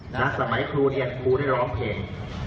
นักสมัยครูเรียนครูได้ร้องเพลง